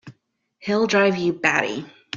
He'll drive you batty!